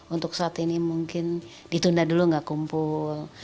untuk saat ini mungkin ditunda dulu nggak kumpul